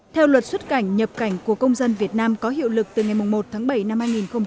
theo luật xuất cảnh nhập cảnh của công dân việt nam có hiệu lực từ ngày một tháng bảy năm hai nghìn hai mươi